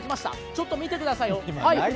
ちょっと見てください。